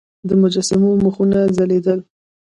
د مجسمو مخونه ځلیدل